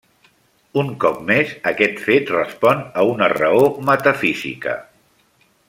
Un cop més, aquest fet respon a una raó metafísica.